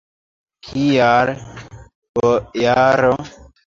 Kial, bojaro?